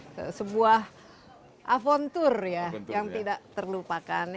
ini sebuah aventur yang tidak terlupakan